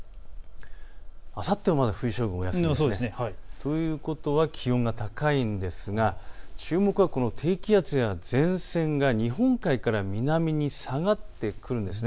あさってもまだ冬将軍お休みです。ということは気温が高いんですが注目はこの低気圧にある前線が日本海から南に下がってくる。